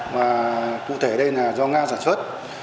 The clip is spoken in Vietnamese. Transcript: và cụ thể đây là do nga giả chất